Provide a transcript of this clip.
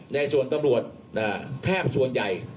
ในส่วนตำรวจแทบส่วนใหญ่